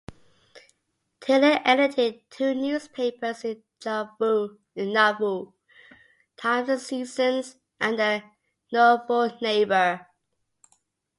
Taylor edited two newspapers in Nauvoo, "Times and Seasons" and the "Nauvoo Neighbor".